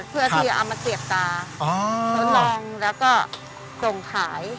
เพื่อที่จะเอามาเสียบตาทดลองแล้วก็ส่งขาย